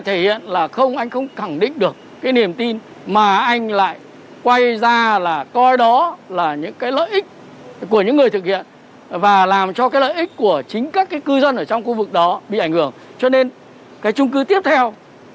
thì hiện là không anh không khẳng định được cái niềm tin mà anh lại quay ra là coi đó là những cái lợi ích của những người thực hiện và làm cho cái lợi ích của chính các cư dân ở trong khu vực đó bị ảnh hưởng cho nên cái trung cư tiếp theo